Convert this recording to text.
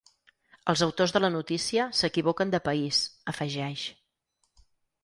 Els autors de la notícia s’equivoquen de país, afegeix.